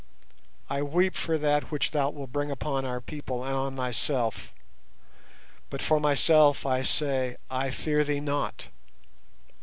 I weep for that which thou wilt bring upon our people and on thyself, but for myself I say—I fear thee not.